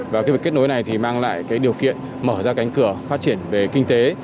và cái việc kết nối này thì mang lại cái điều kiện mở ra cánh cửa phát triển về kinh tế